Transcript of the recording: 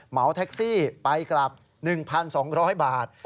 เหมาแท็กซี่ไปกลับ๑๒๐๐บาท